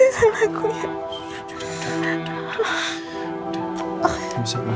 ini semua persisanku ya